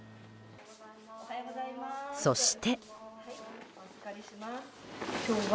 そして。